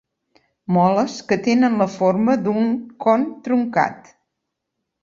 Moles que tenen la forma d'un con truncat.